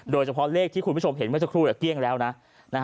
โดยเฉพาะเลขที่คุณผู้ชมเห็นเมื่อชักทวนน่ะ